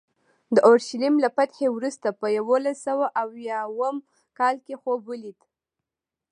د اورشلیم له فتحې وروسته په یوولس سوه اویا اووم کال خوب ولید.